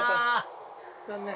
残念。